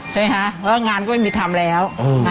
ใช่ไหมคะแล้วงานก็ไม่มีทำแล้ว